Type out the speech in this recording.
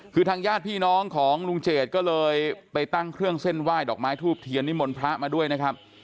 คือทางญาติพี่น้องของลุงเจดก็เลยไปตั้งเครื่องเส้นไหว้ดอกไม้ทูบเทียนนิมนต์พระมาด้วยนะครับ